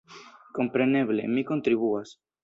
Kompreneble mi kontribuas.